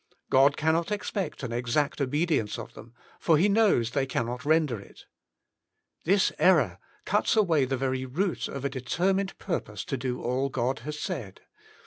God cannot expect an exact obedience of them, for He knows they cannot render it. This error cuts away the very root of a determined purpose to do all God has said.